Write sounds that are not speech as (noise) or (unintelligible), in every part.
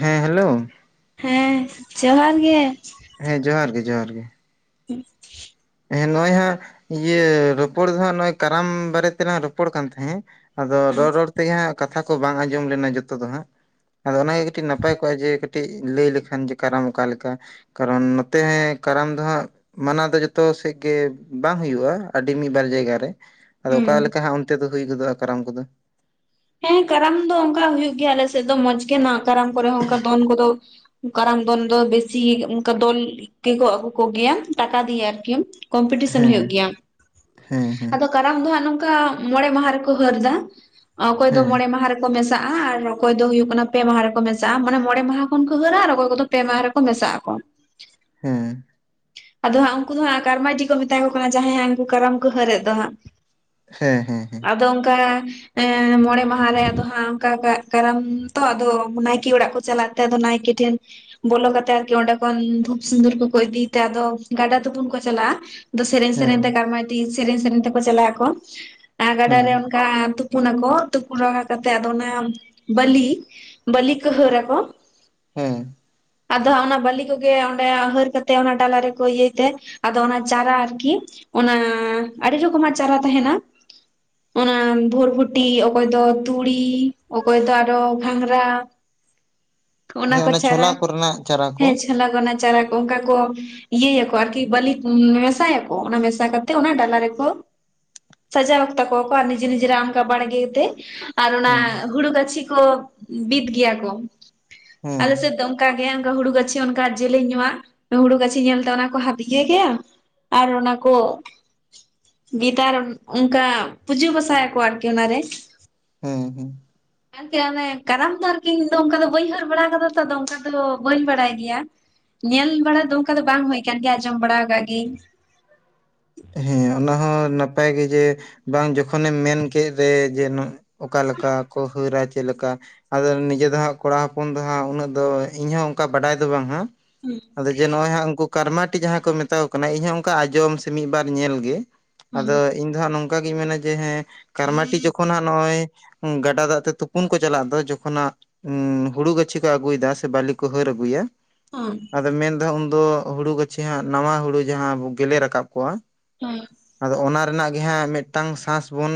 ᱦᱮᱸ ᱦᱮᱞᱳ᱾ ᱦᱮ ᱡᱚᱦᱟᱨ ᱜᱮ᱾ ᱦᱮᱸ ᱡᱚᱦᱟᱨ ᱜᱮ ᱡᱚᱦᱟᱨ ᱜᱮ᱾ ᱦᱮᱸ (inaudible) ᱦᱮ ᱱᱚᱜᱼᱚᱭ ᱦᱟᱸᱜ ᱤᱭᱟᱹ ᱨᱚᱯᱚᱲ ᱫᱚᱦᱟᱸᱜ ᱱᱚᱜᱚᱭ ᱠᱟᱨᱟᱢ ᱵᱟᱨᱮᱛᱮᱦᱟᱸᱜ ᱨᱚᱯᱚᱲ ᱠᱟᱱ ᱛᱟᱦᱮᱸᱫ᱾ ᱟᱫᱚ ᱨᱚᱲ ᱨᱚᱲ ᱛᱮᱜᱮ ᱦᱟᱸᱜ ᱠᱟᱛᱷᱟ ᱠᱚ ᱵᱟᱝ ᱟᱸᱡᱚᱢ ᱞᱮᱱᱟ ᱡᱚᱛᱚ ᱫᱚ ᱦᱟᱸᱜ᱾ ᱟᱫᱚ ᱚᱱᱟᱜᱮ ᱠᱟᱹᱴᱤᱡ ᱱᱟᱯᱟᱭ ᱠᱚᱜᱼᱟ ᱡᱮ ᱠᱟᱹᱴᱤᱡ ᱞᱟᱹᱭ ᱞᱮᱠᱷᱟᱱ ᱡᱮ ᱠᱟᱨᱟᱢ ᱚᱠᱟ ᱞᱮᱠᱟ᱾ ᱠᱟᱨᱚᱱ ᱱᱚᱛᱮ ᱠᱟᱨᱟᱢ ᱫᱚ ᱦᱟᱸᱜ ᱢᱟᱱᱟᱣ ᱫᱚ ᱡᱚᱛᱼᱼ ᱡᱚᱛᱚ ᱥᱮᱫ ᱜᱮ ᱵᱟᱝ ᱦᱩᱭᱩᱜᱼᱟ ᱟᱹᱰᱤ ᱢᱤᱫ ᱵᱟᱨ ᱡᱟᱭᱜᱟ ᱨᱮ ᱟᱫᱚ ᱦᱩᱸ ᱚᱠᱟ ᱞᱮᱠᱟ ᱦᱟᱜᱼᱼ ᱛᱮᱫ ᱫᱚ ᱦᱩᱭ ᱜᱚᱫᱚᱜᱼᱟ ᱠᱟᱨᱟᱢ ᱠᱚᱫᱚ᱾ ᱦᱮᱸ ᱠᱟᱨᱟᱢ ᱫᱚ ᱚᱱᱠᱟ ᱦᱩᱭᱩᱜ ᱜᱮᱭᱟ ᱟᱞᱮ ᱥᱮᱫ ᱫᱚ ᱢᱚᱸᱡ ᱜᱮ ᱠᱟᱨᱟᱢ ᱠᱚᱨᱮ ᱦᱚᱸ ᱚᱱᱠᱟ ᱫᱚᱱ ᱠᱚᱫᱚ᱾ ᱠᱟᱨᱟᱢ ᱫᱚᱞ ᱫᱚ ᱵᱮᱥᱤ ᱚᱱᱠᱟ ᱫᱚᱱ ᱜᱮ ᱠᱚ ᱟᱜᱩ ᱠᱚ ᱜᱮᱭᱟ ᱴᱟᱠᱟ ᱫᱤᱭᱮ ᱟᱨᱠᱤ᱾ ᱠᱚᱢᱯᱤᱴᱤᱥᱚᱱ ᱦᱮᱸ ᱦᱩᱭᱩᱜ ᱜᱮᱭᱟ ᱦᱮᱸ ᱦᱮᱸ ᱟᱫᱚᱼᱼ ᱠᱟᱨᱟᱢ ᱫᱚ ᱦᱟᱸᱜ ᱱᱚᱝᱠᱟ ᱢᱚᱬᱮ ᱢᱟᱦᱟ ᱨᱮᱠᱚ ᱦᱟᱹᱨ ᱮᱫᱟ ᱚᱠᱚᱭ ᱫᱚ ᱦᱮᱸ ᱢᱚᱬᱮ ᱢᱟᱦᱟ ᱨᱮᱼᱼ ᱠᱚ ᱢᱮᱥᱟᱜᱼᱟ ᱟᱨ ᱚᱠᱚᱭ ᱫᱚ ᱦᱩᱭᱩᱜ ᱠᱟᱱᱟ ᱯᱮ ᱢᱟᱦᱟ ᱨᱮᱠᱚ ᱢᱮᱥᱟᱜᱼᱟ ᱢᱟᱱᱮ ᱢᱚᱬᱮ ᱢᱟᱦᱟ ᱠᱷᱚᱱ ᱠᱚ ᱦᱟᱹᱨᱼᱟ ᱨ ᱚᱠᱚᱭ ᱠᱚᱫᱚᱼᱼ ᱯᱮᱢᱟᱦᱟ ᱨᱮ ᱠᱚ ᱢᱮᱥᱟᱜ ᱟᱠᱚ᱾ ᱦᱩᱸ᱾ ᱟᱫᱚ ᱦᱟᱸᱜ ᱩᱱᱠᱩ ᱫᱚ ᱦᱟᱸᱜ ᱠᱟᱨᱢᱟᱭᱴᱤ ᱠᱚ ᱢᱮᱛᱟ ᱠᱚ ᱠᱟᱱᱟ ᱡᱟᱦᱟᱸᱭ ᱦᱟᱸᱜ ᱩᱱᱠᱩ ᱠᱟᱨᱟᱢ ᱠᱚ ᱦᱟᱹᱨᱮᱫ ᱫᱚ ᱦᱟᱸᱜ᱾ ᱦᱮᱸ ᱦᱮᱸ ᱦᱮᱸ᱾ ᱟᱫᱚ ᱚᱝᱠᱟᱼᱼ ᱮᱸ ᱢᱚᱬᱮ ᱢᱟᱦᱟ ᱨᱮ ᱟᱫᱚ ᱦᱟᱸᱜ ᱚᱱᱠᱟ ᱠᱟᱨᱟᱢ ᱛᱚ ᱟᱫᱚ ᱱᱟᱭᱠᱮ ᱚᱲᱟᱜ ᱠᱚ ᱪᱟᱞᱟᱜᱼᱼ ᱛᱮ ᱟᱫᱚ ᱱᱟᱭᱠᱮ ᱴᱷᱮᱱ ᱵᱚᱞᱚ ᱠᱟᱛᱮ ᱟᱨᱠᱤ ᱚᱸᱰᱮ ᱠᱷᱚᱱ ᱫᱷᱩᱵ ᱥᱤᱱᱫᱩᱨ ᱠᱚᱠᱚ ᱤᱫᱤᱼᱼ ᱛᱮ ᱟᱫᱚ ᱜᱟᱰᱟ ᱛᱩᱯᱩᱱ ᱠᱚ ᱪᱟᱞᱟᱜᱼᱟ ᱟᱫᱚ ᱥᱮᱨᱮᱧ ᱦᱮᱸ ᱥᱮᱨᱮᱧ ᱛᱮ ᱜᱟᱨᱢᱟᱭ, ᱥᱮᱨᱮᱧ ᱥᱮᱨᱮᱧ ᱛᱮᱠᱚ ᱪᱟᱞᱟᱜ ᱟᱠᱚ ᱜᱟᱰᱟ ᱦᱮᱸ ᱨᱮᱼᱼ ᱠᱟ ᱛᱩᱯᱩᱱᱟᱠᱚ ᱛᱩᱯᱩᱱ ᱵᱟᱲᱟ ᱠᱟᱛᱮᱜ ᱟᱫᱚ ᱚᱱᱟ ᱵᱟᱹᱞᱤᱼᱼ ᱵᱟᱞᱤ ᱠᱚ ᱦᱟᱹᱨᱟ ᱠᱚ᱾ ᱦᱮᱸ᱾ ᱟᱫᱚ ᱦᱟᱜ ᱚᱱᱟ ᱵᱟᱞᱤ ᱠᱚᱜᱮ ᱚᱱᱰᱮ ᱦᱟᱹᱨ ᱠᱟᱛᱮᱼᱼ ᱚᱱᱟ ᱰᱟᱞᱟ ᱨᱮᱠᱚ ᱤᱭᱟᱹᱭ ᱛᱮ ᱟᱫᱚ ᱚᱱᱟ ᱪᱟᱨᱟ ᱟᱨᱠᱤᱼᱼ ᱚᱱᱟ ᱟᱹᱰᱤ ᱨᱚᱠᱚᱢᱟᱜ ᱪᱟᱨᱟ ᱛᱟᱦᱮᱱᱟᱼᱼ ᱚᱱᱟ ᱵᱷᱩᱨᱵᱷᱩᱴᱤ ᱚᱠᱚᱭ ᱫᱚ ᱛᱩᱲᱤ ᱚᱠᱚᱭ ᱫᱚ ᱟᱨᱚ ᱜᱷᱟᱸᱜᱨᱟ᱾ ᱚᱱᱟ ᱦᱮᱸ ᱠᱚ ᱪᱟᱨᱟ ᱪᱷᱳᱞᱟ ᱠᱚᱨᱮᱱᱟᱜ ᱪᱟᱨᱟ ᱠᱚ ᱦᱮᱸ ᱪᱷᱚᱞᱟ ᱜᱚᱱᱟ ᱪᱟᱨᱟ ᱠᱚ ᱚᱱᱠᱟᱼᱼ ᱠᱚ ᱤᱭᱟᱹᱭᱟᱠᱚ ᱟᱨᱠᱤ ᱵᱟᱹᱞᱤ ᱢᱮᱥᱟᱭᱟᱠᱚ ᱚᱱᱟ ᱢᱮᱥᱟ ᱠᱟᱛᱮ ᱚᱱᱟ ᱰᱟᱞᱟ ᱨᱮᱠᱚᱼᱼ ᱥᱟᱡᱟᱣ ᱟᱠᱛᱟ ᱠᱚ ᱠᱚ ᱟᱨ ᱱᱤᱡᱮ ᱱᱤᱡᱮᱨ ᱟᱱᱠᱟ ᱵᱟᱲᱜᱮ ᱛᱮ᱾ ᱟᱨ ᱚᱱᱟ ᱦᱮᱸ ᱦᱩᱲᱩ ᱜᱟᱹᱪᱷᱤ ᱠᱚ ᱵᱤᱫ ᱜᱮᱭᱟ ᱠᱚ ᱦᱮᱸ ᱟᱞᱮ ᱥᱮ ᱫᱚ, ᱚᱱᱠᱟ ᱜᱮ ᱚᱱᱠᱟ ᱦᱩᱲᱩ ᱜᱪᱷᱤ ᱚᱱᱠᱟ ᱡᱮᱞᱮᱧ ᱧᱚᱜ ᱟᱜ, ᱦᱩᱲᱩ ᱜᱟᱹᱪᱷᱤ ᱧᱮᱞᱛᱮ ᱚᱱᱟ ᱠᱚ ᱦᱟᱫᱧᱮ ᱜᱮᱭᱟ ᱟᱨ ᱚᱱᱟ ᱠᱚᱼᱼ ᱜᱮᱛᱟᱨ ᱚᱱᱠᱟ ᱯᱩᱡᱟᱹ ᱵᱟᱥᱟᱭᱟᱠᱚ ᱟᱨᱠᱤ ᱚᱱᱟᱨᱮᱼᱼ ᱦᱩᱸ ᱦᱩᱸ᱾ (unintelligible) ᱟᱨ ᱚᱱᱮ ᱠᱟᱨᱟᱢ ᱫᱚ ᱟᱨᱠᱤ ᱤᱧ ᱫᱚ ᱚᱱᱠᱟ ᱵᱟᱹᱧ ᱦᱟᱹᱨ ᱵᱟᱲᱟ ᱠᱟᱫᱟ ᱛᱚ ᱟᱫᱚ ᱚᱱᱠᱟ ᱫᱚ ᱵᱟᱹᱧ ᱜᱮᱭᱟ᱾ ᱧᱮᱞ ᱵᱟᱲᱟ ᱫᱚ ᱚᱱᱠᱟ ᱫᱚ ᱵᱟᱝ ᱦᱩᱭ ᱟᱠᱟᱱ ᱜᱮᱭᱟ ᱟᱸᱡᱚᱢ ᱵᱟᱲᱟ ᱟᱠᱟᱫ ᱜᱮᱧ᱾ ᱦᱮᱸ ᱚᱱᱟ ᱦᱚᱸ ᱱᱟᱯᱟᱭ ᱜᱮ ᱡᱮ ᱵᱟᱝ ᱡᱚᱠᱷᱚᱱᱮᱢ ᱢᱮᱱ ᱠᱮᱫ ᱨᱮ ᱡᱮᱼᱼ ᱚᱠᱟ ᱞᱮᱠᱟ ᱠᱚ ᱦᱟᱹᱨᱟ ᱪᱮᱫ ᱞᱮᱠᱟᱼᱼ ᱟᱫᱚ ᱱᱤᱡᱮ ᱫᱚ ᱦᱟᱸᱜ ᱠᱚᱲᱟ ᱦᱚᱯᱚᱱ ᱫᱚ ᱦᱟᱸᱜ ᱩᱱᱟᱹᱜ ᱫᱚ ᱤᱧᱦᱚᱸ ᱚᱝᱠᱟ ᱵᱟᱰᱟᱭ ᱫᱚ ᱵᱟᱝ ᱦᱟᱸᱜ ᱦᱩᱸ ᱟᱫᱚ ᱡᱮ ᱱᱚᱜᱚᱭ ᱦᱟᱸᱜ ᱩᱝᱠᱩ ᱠᱟᱨᱢᱟᱴᱤ ᱡᱟᱦᱟᱸ ᱠᱚ ᱢᱮᱛᱟ ᱠᱚ ᱠᱟᱱᱟ, ᱤᱧ ᱦᱚᱸ ᱚᱝᱠᱟ ᱟᱸᱡᱚᱢ ᱥᱮ ᱢᱤᱫ ᱵᱟᱨ ᱧᱮᱞ ᱜᱮ᱾ ᱦᱩᱸ ᱟᱫᱚ ᱤᱧ ᱫᱚ ᱦᱟᱸᱜ ᱱᱚᱝᱠᱟ ᱜᱤᱧ ᱢᱮᱱᱟ ᱡᱮ ᱦᱮᱸ ᱠᱟᱨᱢᱟᱴᱤ ᱡᱚᱠᱷᱚᱱ ᱦᱟᱸᱜ ᱱᱚᱜᱚᱭ ᱜᱟᱰᱟ ᱫᱟᱜ ᱛᱮ ᱛᱩᱯᱩᱱ ᱠᱚ ᱪᱟᱞᱟᱜ ᱫᱚ ᱡᱚᱠᱷᱚ ᱦᱟᱸᱜ ᱩᱸ ᱦᱩᱲᱩ ᱜᱟᱹᱪᱷᱤ ᱠᱚ ᱟᱹᱜᱩᱭᱫᱟ, ᱥᱮ ᱵᱟᱹᱞᱤ ᱠᱚ ᱦᱟᱹᱨ ᱟᱹᱜᱩᱭᱟ᱾ (unintelligible) ᱟᱫᱚ ᱢᱮᱱᱫᱚ ᱦᱟᱸᱜ ᱩᱱ ᱫᱚ ᱦᱩᱲᱩ ᱜᱟᱹᱪᱷᱤ ᱦᱟᱸᱜ ᱱᱟᱣᱟ ᱦᱩᱲᱩ ᱡᱟᱦᱟᱸ ᱜᱮᱞᱮ ᱨᱟᱠᱟᱵ ᱠᱚᱜᱟ ᱦᱮᱸ᱾ ᱟᱫᱚ ᱚᱱᱟ ᱨᱮᱱᱟᱜ ᱜᱮ ᱦᱟᱸᱜ ᱢᱮᱫᱴᱟᱝ ᱥᱟᱥ ᱵᱚᱱ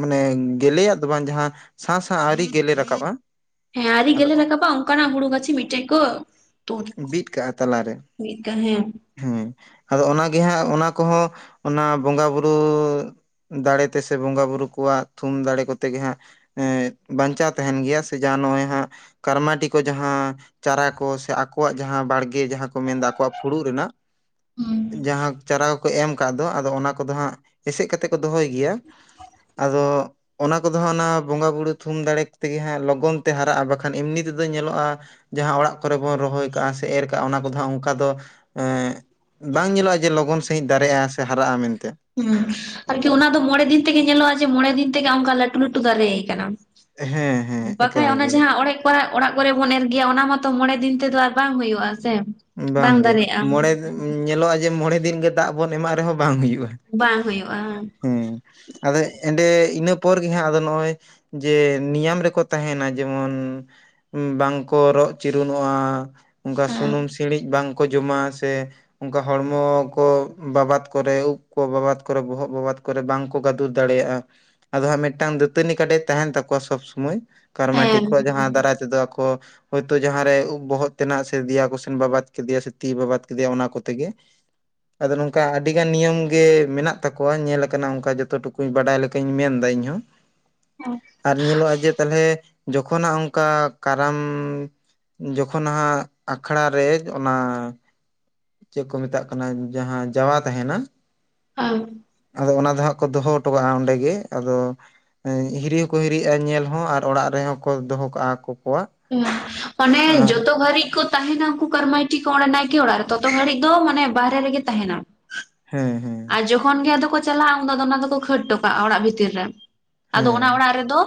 ᱢᱟᱱᱮ ᱜᱮᱞᱮᱭᱟᱜ ᱫᱚ ᱵᱟᱝ ᱡᱟᱦᱟᱸ ᱥᱟᱥ ᱦᱟᱸᱜ ᱟᱹᱣᱨᱤ ᱜᱮᱞᱮ ᱨᱟᱠᱟᱵ-ᱟ᱾ ᱦᱮᱸ ᱟᱨᱣᱨᱤ ᱜᱮᱞᱮ ᱨᱟᱠᱟᱵ-ᱟ ᱚᱝᱠᱟᱱᱟᱜ ᱦᱩᱲᱩ ᱜᱟᱹᱪᱷᱤ ᱢᱤᱫᱴᱮᱡ ᱠᱚ (inaudible) ᱵᱤᱫ ᱠᱟᱜᱟ ᱛᱟᱞᱟᱨᱮ᱾ ᱵᱤᱫᱠᱟᱜ ᱦᱮᱸ᱾ ᱦᱮᱸ ᱟᱫᱚ ᱚᱱᱟᱜᱮ ᱦᱟᱸᱜ ᱚᱱᱟ ᱠᱚᱦᱚᱸ ᱚᱱᱟ ᱵᱚᱝᱜ-ᱟ ᱵᱩᱨᱩ ᱫᱟᱲᱮ ᱛᱮᱥᱮ ᱵᱚᱝᱜᱟ ᱵᱩᱨᱩ ᱠᱚᱣᱟᱜ ᱛᱷᱩᱢ ᱫᱟᱲᱮ ᱠᱚᱛᱮ ᱜᱮ ᱦᱟᱸᱜ ᱮᱸ ᱵᱟᱧᱪᱟᱣ ᱛᱟᱦᱮᱱ ᱜᱮᱭᱟ ᱥᱮ ᱡᱟᱦᱟᱸ ᱱᱚᱜᱚᱭ ᱦᱟᱸᱜ ᱠᱟᱨᱢᱟᱴᱤ ᱠᱚ ᱡᱟᱦᱟᱸ ᱪᱟᱨᱟ ᱠᱚ ᱥᱮ ᱟᱠᱚᱣᱟᱜ ᱡᱟᱦᱟᱸ ᱵᱟᱲᱜᱮ ᱡᱟᱦᱟᱸ ᱠᱚ ᱢᱮᱱᱫᱟ ᱟᱠᱚᱣᱟᱜ ᱯᱷᱩᱲᱩᱜ ᱨᱮᱱᱟᱜ ᱦᱩᱸ ᱡᱟᱦᱟᱸ ᱪᱟᱨᱟ ᱠᱚᱠᱚ ᱮᱢ ᱠᱟᱜ ᱫᱚ ᱟᱫᱚ ᱚᱱᱟ ᱠᱚᱫᱚ ᱦᱟᱸᱜ ᱮᱥᱮᱫ ᱠᱟ ᱛᱮ ᱠᱚ ᱫᱚᱦᱚᱭ ᱜᱮᱭᱟ, ᱟᱫᱚ ᱚᱱᱟ ᱠᱚᱫᱚ ᱦᱟᱸᱜ ᱚᱱᱟ ᱵᱚᱸᱜᱟ ᱵᱩᱲᱩ ᱛᱷᱩᱢ ᱫᱟᱲᱮ ᱛᱮᱜᱮ ᱦᱟᱸᱜ ᱞᱚᱜᱚᱱ ᱛᱮ ᱦᱟᱨᱟᱜ-ᱟ, ᱵᱟᱠᱷᱟᱱ ᱮᱢᱱᱤ ᱛᱮᱫᱚ ᱧᱮᱞᱚᱜ-ᱟ ᱡᱟᱦᱟᱸ ᱚᱲᱟᱜ ᱠᱚᱨᱮ ᱵᱚᱱ ᱨᱚᱦᱚᱭ ᱠᱟᱜᱟ ᱥᱮ ᱮᱨ ᱠᱟᱜᱟ ᱚᱱᱟ ᱠᱚᱫᱚ ᱦᱟᱸᱜ ᱚᱝᱠᱟ ᱫᱚ ᱮᱸ ᱵᱟᱝ ᱧᱮᱞᱚᱜ-ᱟ ᱡᱮ ᱞᱚᱜᱚᱱ ᱥᱟᱹᱦᱤᱡ ᱫᱟᱨᱮᱜ-ᱟ ᱥᱮ ᱦᱟᱨᱟᱜ-ᱟ ᱢᱮᱱᱛᱮᱜ᱾ (inaudible) ᱟᱨᱠᱤ ᱚᱱᱟ ᱫᱚ ᱢᱚᱬᱮ ᱫᱤᱱ ᱛᱮᱜᱮ ᱧᱮᱞᱚᱜ-ᱟ ᱡᱮ ᱢᱚᱬᱮ ᱫᱤᱱ ᱛᱮᱜᱮ ᱚᱝᱠᱟ ᱞᱟᱹᱴᱩ ᱞᱟᱹᱴᱩ ᱫᱟᱨᱮ ᱠᱟᱱᱟ᱾ ᱦᱮᱸ ᱦᱮᱸ ᱵᱟᱠᱷᱟᱡ ᱮᱠᱟᱞ ᱚᱱᱟ ᱜᱮ ᱡᱟᱦᱟᱸ ᱚᱲᱮᱡ (inaudible) ᱚᱲᱟᱜ ᱠᱚᱨᱮ ᱵᱚᱱ ᱮᱨ ᱜᱮᱭᱟ ᱚᱱᱟ ᱢᱟᱛᱚ ᱢᱚᱬᱮ ᱫᱤᱱ ᱛᱮᱫᱚ ᱟᱨ ᱵᱟᱝ ᱦᱳᱭᱳᱜ-ᱟ ᱥᱮ᱾ ᱵᱟᱝ ᱵᱟᱝᱜᱮ ᱫᱟᱨᱮᱜᱼᱟ ᱢᱚᱬᱮ ᱧᱮᱞᱚᱜ-ᱟ ᱡᱮ ᱢᱚᱬᱮ ᱫᱤᱱ ᱜᱮ ᱫᱟᱜ ᱵᱚᱱ ᱮᱢᱟᱜ ᱨᱮᱦᱚᱸ ᱵᱟᱝ ᱦᱩᱭᱩᱜ-ᱟ᱾ ᱵᱟᱝ ᱦᱳᱭᱳᱜ-ᱟ᱾ ᱦᱩᱸ ᱟᱫᱚ ᱮᱸᱰᱮ ᱤᱱᱟᱹ ᱯᱚᱨ ᱜᱮ ᱦᱟᱸᱜ ᱟᱫᱚ ᱱᱚᱜᱚᱭ ᱡᱮ ᱱᱤᱭᱟᱢ ᱨᱮᱠᱚ ᱛᱟᱦᱮᱱᱟ ᱡᱮᱢᱚᱱ ᱵᱟᱝᱠᱚ ᱨᱚᱜ ᱪᱤᱨᱩᱱᱚᱜ-ᱟ, ᱚᱝᱠᱟ ᱦᱮᱸ ᱥᱩᱱᱩᱢ ᱥᱤᱬᱤᱡ ᱵᱟᱝᱠᱚ ᱡᱚᱢᱟ ᱥᱮ ᱚᱝᱠᱟ ᱦᱚᱲᱢᱚ ᱠᱚ ᱵᱟᱵᱟᱛ ᱠᱚᱨᱮ ᱩᱵ ᱠᱚ ᱵᱟᱵᱟᱛ ᱠᱚᱨᱮ ᱵᱚᱦᱚᱜ ᱵᱟᱵᱟᱛ ᱠᱚᱨᱮ ᱵᱟᱝᱠᱚ ᱜᱟᱹᱫᱩᱨ ᱫᱟᱲᱮᱭᱟᱜ-ᱟ, ᱟᱫᱚ ᱦᱟᱸᱜ ᱢᱤᱫᱴᱟᱝ ᱫᱟᱹᱛᱟᱹᱱᱤ ᱠᱟᱰᱮᱡ ᱛᱟᱦᱮᱱ ᱛᱟᱠᱚᱣᱟ ᱥᱚᱵ ᱥᱳᱢᱳᱭ ᱠᱟᱨᱢᱟᱴᱤ ᱦᱮᱸ ᱠᱚᱣᱟᱜ ᱡᱟᱦᱟᱸ ᱫᱟᱨᱟᱭ ᱛᱮᱫᱚ ᱟᱠᱚ ᱦᱳᱭᱛᱚ ᱡᱟᱦᱟᱸᱨᱮ ᱩᱵ ᱵᱚᱦᱚᱜ ᱛᱮᱱᱟᱜ ᱥᱮ ᱫᱮᱭᱟ ᱠᱚ ᱵᱟᱵᱟᱛ ᱠᱮᱫᱮᱭᱟ ᱥᱮ ᱛᱤ ᱵᱟᱵᱟᱭ ᱠᱮᱫᱮᱭᱟ ᱚᱱᱟ ᱠᱚᱛᱮ ᱜᱮ ᱟᱫᱚ ᱱᱚᱝᱠᱟ ᱟᱹᱰᱤ ᱜᱟᱱ ᱱᱤᱭᱚᱢ ᱜᱮ ᱢᱮᱱᱟᱜ ᱛᱟᱠᱚᱣᱟ ᱧᱮᱞ ᱟᱠᱟᱱᱟ ᱚᱝᱠᱟ ᱡᱚᱛᱚ ᱴᱩᱠᱩ᱾ ᱠᱩᱡ ᱵᱟᱰᱟᱭ ᱞᱮᱠᱟᱧ ᱢᱮᱱᱫᱟ ᱤᱧᱦᱚᱸ ᱟᱨ ᱧᱮᱞᱚᱜ-ᱟ ᱡᱮ ᱛᱟᱞᱦᱮ ᱡᱚᱠᱷᱚᱱ ᱦᱟᱸᱜ ᱚᱝᱠᱟ ᱠᱟᱨᱟᱢ ᱡᱚᱠᱷᱚᱱ ᱦᱟᱸᱜ ᱠᱷᱟᱲᱟ ᱨᱮ ᱚᱱᱟ ᱪᱮᱫ ᱠᱚ ᱢᱮᱛᱟᱜ ᱠᱟᱱᱟ ᱡᱟᱦᱟᱸ ᱡᱟᱣᱟ ᱛᱟᱦᱮᱱᱟ (unintelligible) ᱟᱫᱚ ᱚᱱᱟ ᱫᱚ ᱦᱟᱸᱜ ᱠᱚ ᱫᱚᱦᱚ ᱦᱚᱴᱚ ᱠᱟᱜᱟ ᱚᱸᱰᱮ ᱜᱮ ᱟᱫᱚ ᱦᱤᱨᱤ ᱦᱚᱸᱠᱚ ᱦᱤᱨᱤᱜ-ᱟ ᱧᱮᱞ ᱦᱚᱸ ᱟᱨ ᱚᱲᱟᱜ ᱨᱮᱦᱚᱸ ᱠᱚ ᱫᱚᱦᱚ ᱠᱟᱜᱟ ᱟᱠᱚ ᱠᱚᱣᱟᱜ᱾ ᱦᱩᱸ ᱢᱟᱱᱮ‌ ᱡᱚᱛᱚ ᱜᱦᱟᱹᱨᱤᱡ ᱠᱚ ᱛᱟᱦᱮᱱᱟ ᱩᱝᱠᱩ ᱠᱟᱨᱢᱟᱹᱭᱴᱤ, ᱠᱚ ᱚᱸᱰᱮ ᱱᱟᱭᱠᱮ ᱚᱲᱟᱜ ᱨᱮ ᱛᱚᱛᱚ ᱜᱷᱟᱹᱲᱤᱡ ᱫᱚ ᱢᱟᱱᱮ ᱵᱟᱨᱦᱮ ᱨᱮᱜᱮ ᱛᱟᱦᱮᱱ-ᱟ᱾ ᱦᱮᱸ ᱦᱮᱸ᱾ ᱟᱨ ᱡᱚᱠᱷᱚᱱ ᱜᱮ ᱟᱫᱚ ᱠᱚ ᱪᱟᱞᱟᱜᱼᱟ ᱩᱱᱫᱚ ᱟᱫᱚ ᱚᱱᱟ ᱫᱚᱠᱚ ᱠᱷᱴ ᱦᱚᱴᱚ ᱠᱟᱜᱼᱟ ᱚᱲᱟᱜ ᱵᱷᱤᱛᱤᱨ ᱨᱮ ᱟᱫᱚ ᱚᱱᱟ ᱦᱮᱸ ᱚᱲᱟᱜ ᱨᱮᱫᱚ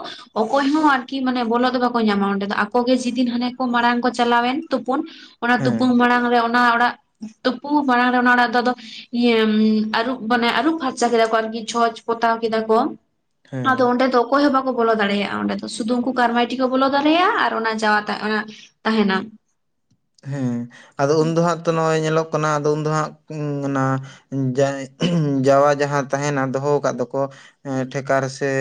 ᱚᱠᱚᱭ ᱦᱚᱸ ᱟᱨᱠᱤ ᱢᱟᱱᱮ ᱵᱚᱞᱚᱜ ᱫᱚ ᱵᱟᱠᱚ ᱧᱟᱢᱟ ᱚᱸᱰᱮ ᱫᱚ ᱟᱠᱚᱜᱮ ᱡᱮᱫᱤᱱ ᱦᱟᱱᱮ ᱠᱚ ᱢᱟᱲᱟᱝ ᱠᱚ ᱪᱟᱞᱟᱣᱮᱱ ᱛᱩᱯᱩᱱ ᱾ ᱚᱱᱟ ᱦᱮᱸ ᱛᱩᱯᱩᱱ ᱢᱟᱲᱟᱝᱨᱮ ᱚᱱᱟ ᱚᱲᱟᱜ ᱛᱩᱯᱩ ᱢᱟᱲᱟᱝ ᱨᱮ ᱚᱱᱟ ᱚᱲᱟᱜ ᱫᱚ ᱟᱫᱚ ᱤᱭᱟᱹ ᱟᱹᱨᱩᱵ ᱢᱟᱱᱮ ᱟᱹᱨᱩᱵ ᱯᱷᱟᱨᱪᱟ ᱠᱮᱫᱟ ᱠᱚ ᱟᱨᱠᱤ ᱪᱷᱚᱸᱪ ᱯᱚᱛᱟᱣ ᱠᱮᱫᱟ ᱠᱚ ᱦᱮᱸ ᱟᱫᱚ ᱚᱸᱰᱮ ᱫᱚ ᱚᱠᱚᱭ ᱦᱚᱸ ᱵᱟᱠᱚ ᱵᱚᱞᱚ ᱫᱟᱲᱮᱭᱟᱜᱼᱟ᱾ ᱚᱸᱰᱮ ᱫᱚ ᱥᱩᱫᱩ ᱩᱱᱠᱩ ᱠᱟᱨᱢᱟᱭᱴᱤ ᱠᱚ ᱵᱚᱞᱚ ᱫᱟᱲᱮᱭᱟᱜᱼᱟ ᱟᱨ ᱚᱱᱟ ᱡᱟᱣᱟ ᱛᱟᱦᱮᱱᱟ᱾ ᱦᱮᱸ ᱟᱫᱚ ᱩᱱᱫᱚ ᱦᱟᱸᱜ ᱛᱚ ᱱᱚᱜᱼᱚᱭ ᱧᱮᱞᱚᱜ ᱠᱟᱱᱟ ᱟᱫᱚ ᱩᱱᱫᱚ ᱦᱟᱸᱜ ᱚᱱᱟ ᱡᱮ ᱡᱟᱣᱟ ᱡᱟᱦᱟᱸ ᱛᱟᱦᱮᱱᱟ ᱫᱚᱦᱚ ᱟᱠᱟᱫ ᱫᱚᱠᱚ ᱴᱷᱮᱠᱟ ᱨᱮᱥᱮ